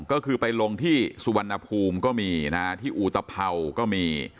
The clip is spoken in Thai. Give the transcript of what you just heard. ก็คือไปลงที่สุวรรณภูมิก็มีนะที่อุตภัวก็มี